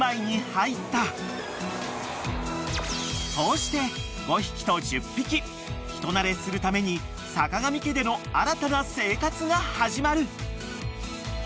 ［こうして５匹と１０匹人なれするために坂上家での新たな生活が始まる］